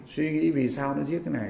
suy nghĩ vì sao nó giết cái này